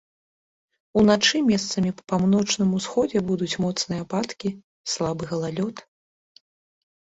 Уначы месцамі па паўночным усходзе будуць моцныя ападкі, слабы галалёд.